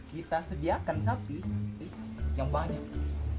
kita sediakan sapi yang banyak